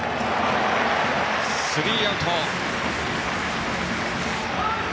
スリーアウト。